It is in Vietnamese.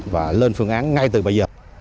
và lên phương án ngay từ bây giờ